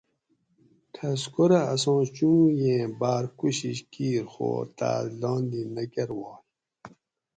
ٹھسکورہ آساں چنڑوگیں باۤر کوشش کیر خو تاۤس لاندی نہ کرواگ